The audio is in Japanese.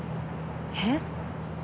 えっ！？